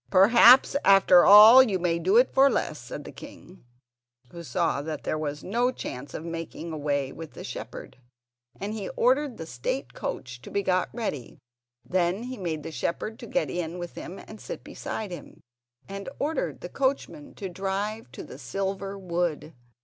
"Perhaps after all you may do it for less," said the king, who saw that there was no chance of making away with the shepherd; and he ordered the state coach to be got ready, then he made the shepherd get in with him and sit beside him, and ordered the coachman to drive to the silver wood.